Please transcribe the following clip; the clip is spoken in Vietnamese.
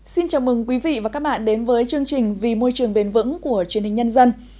xin chào mừng quý vị và các bạn đến với chương trình vì môi trường bền vững của truyền hình nhân dân